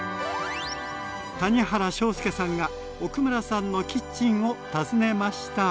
谷原章介さんが奥村さんのキッチンを訪ねました。